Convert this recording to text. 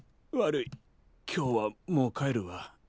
悪い今日はもう帰るわ。